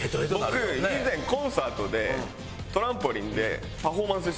僕以前コンサートでトランポリンでパフォーマンスしてるんですよ。